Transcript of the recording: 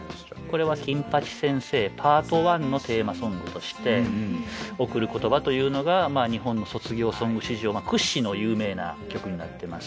これは「金八先生」パート１のテーマソングとして「贈る言葉」というのが日本の卒業ソング史上屈指の有名な曲になってます。